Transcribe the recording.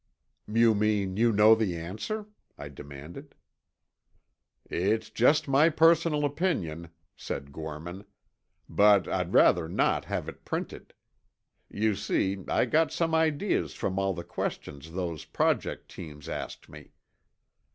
"You mean you know the answer?" I demanded. "It's just my personal opinion," said Gorman. "But I'd rather not have it printed. You see, I got some ideas from all the questions those Project teams asked me.